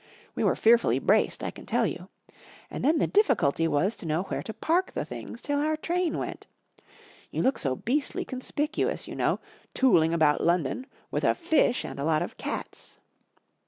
We were fearfully braced, I can tell you. And then the difficulty was to know wTiere to park the things till our train w'ent. You look so beastly conspicuous, you know, tooling about London with a fish and a lot of cats.